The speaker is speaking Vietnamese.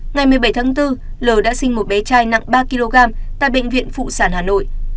ngày một mươi bảy tháng bốn l đã sinh một bé trai nặng ba kg tại bệnh viện phụ sản hà nội